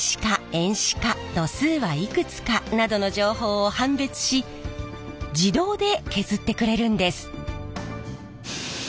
遠視か度数はいくつかなどの情報を判別し自動で削ってくれるんです。